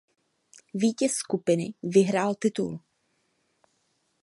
Vítěz skupiny vyhrál titul.